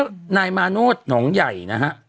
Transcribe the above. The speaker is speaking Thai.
วันนี้นายมาโนธหนองใหญ่นะฮะ